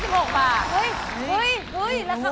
เฮ้ยราคาโอเค